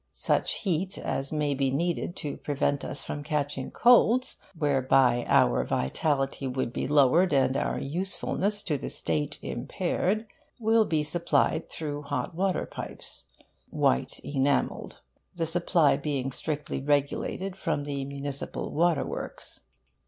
Such heat as may be needed to prevent us from catching colds (whereby our vitality would be lowered, and our usefulness to the State impaired) will be supplied through hot water pipes (white enamelled), the supply being strictly regulated from the municipal water works.